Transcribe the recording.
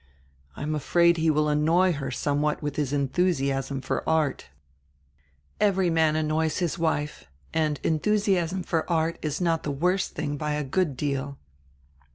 I am afraid he will annoy her somewhat with his enthusiasm for art." "Every man annoys his wife, and enthusiasm for art is not die worst diing by a good deal."